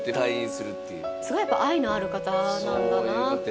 すごいやっぱ愛のある方なんだなって。